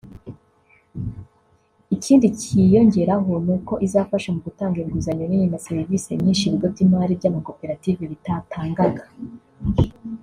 Ikindi cyiyongeraho ni uko izafasha mu gutanga inguzanyo nini na serivisi nyinshi ibigo by’imari by’amakoperative bitatangaga